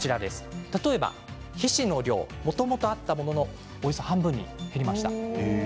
例えば皮脂の量もともとあったもののおよそ半分に減りました。